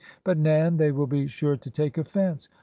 " But, Nan, they will be sure to take offense."